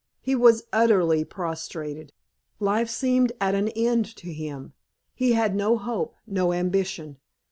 He was utterly prostrated; life seemed at an end to him; he had no hope, no ambition.